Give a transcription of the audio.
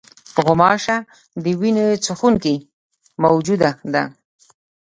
غوماشه د وینې چوشوونکې موجوده ده.